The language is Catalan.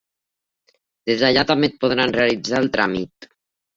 Des d'allà també et podran realitzar el tràmit.